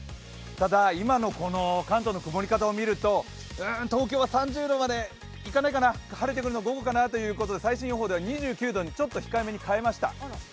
ただ今のこの関東の曇り方を見ると、東京は３０度までいかないかな、晴れてくるのは午後かなということで、最新予報では２９度に、控えめに変えました。